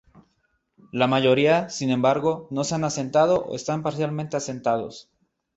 La mayoría, sin embargo, no se han asentado, o están parcialmente asentados.